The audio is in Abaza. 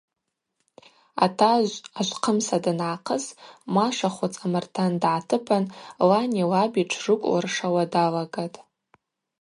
Атажв ашвхъымса дангӏахъыс, Маша хвыц амартан дгӏатыпан лани лаби тшрыкӏвлыршауа далагатӏ.